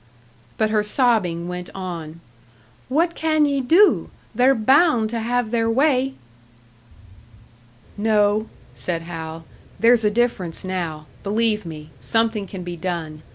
But her sobbing went on. "What can ye do? They're bound to have their way!" "No," said Hal. "There's a difference now. Believe me something can be done.